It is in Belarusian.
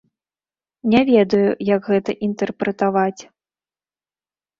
Не ведаю, як гэта інтэрпрэтаваць.